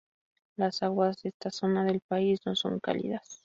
Las aguas de esta zona del país no son cálidas.